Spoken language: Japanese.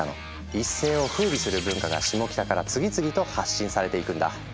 一世をふうびする文化がシモキタから次々と発信されていくんだ。